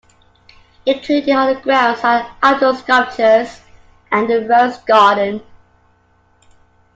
Included on the grounds are outdoor sculptures and a rose garden.